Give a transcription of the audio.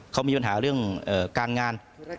เขามีปัญหาเรื่องการงาน